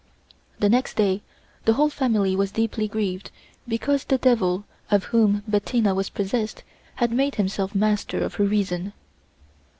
The next day the whole family was deeply grieved because the devil of whom Bettina was possessed had made himself master of her reason.